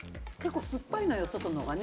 すっぱいのよ、外のほうがね。